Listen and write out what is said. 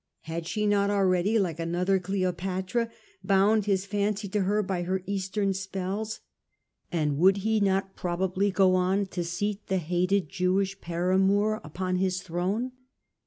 Had she not already, like another Cleopatra, bound his yield. fancy to her by her Eastern spells, and would he not probably go on to seat the hated Jewish paramour upon his throne